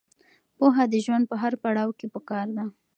پوهه د ژوند په هر پړاو کې پکار ده.